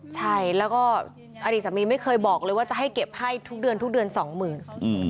ใช่แล้วก็อดีตสามีไม่เคยบอกเลยว่าจะให้เก็บให้ทุกเดือน๒หมื่นบาท